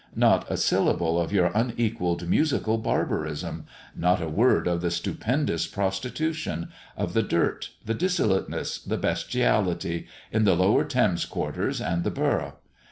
Not a syllable of your unequalled musical barbarism. Not a word of the stupendous prostitution of the dirt the dissoluteness the bestiality in the lower Thames quarters and the Borough.